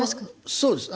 そうです。